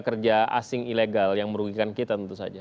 kerja asing ilegal yang merugikan kita tentu saja